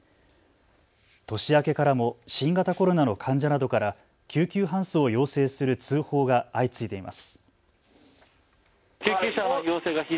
年明けからも新型コロナの患者などから救急搬送を要請する通報が相次いでいます。